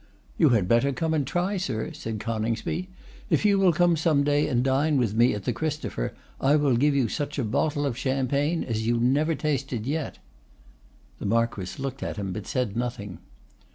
'You had better come and try, sir,' said Coningsby. 'If you will come some day and dine with me at the Christopher, I will give you such a bottle of champagne as you never tasted yet.' The Marquess looked at him, but said nothing.